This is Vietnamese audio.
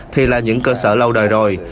thì là những cơ sở lâu đời rồi